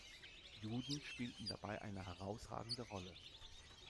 Juden spielten dabei eine herausragende Rolle.